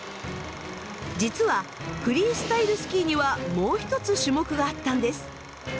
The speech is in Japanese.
実はフリースタイルスキーにはもう一つ種目があったんです。